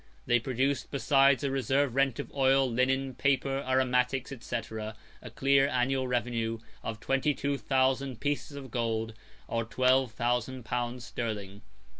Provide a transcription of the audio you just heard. They produce, besides a reserved rent of oil, linen, paper, aromatics, &c., a clear annual revenue of twenty two thousand pieces of gold, or twelve thousand pounds sterling.